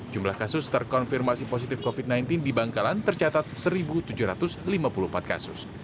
jumlah kasus terkonfirmasi positif covid sembilan belas di bangkalan tercatat satu tujuh ratus lima puluh empat kasus